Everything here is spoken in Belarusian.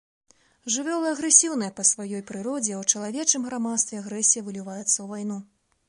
Жывёлы агрэсіўныя па сваёй прыродзе, а ў чалавечым грамадстве агрэсія выліваецца ў вайну.